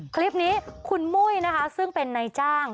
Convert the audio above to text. คลิปนี้คุณมุ้ยนะคะซึ่งเป็นนายจ้าง